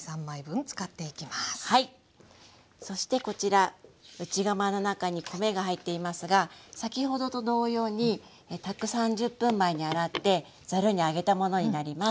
そしてこちら内釜の中に米が入っていますが先ほどと同様に炊く３０分前に洗ってざるに上げたものになります。